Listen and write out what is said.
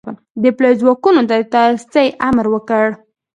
د پلیو ځواکونو ته د تیارسئ امر وکړ.